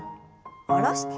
下ろして。